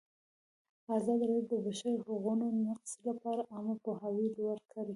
ازادي راډیو د د بشري حقونو نقض لپاره عامه پوهاوي لوړ کړی.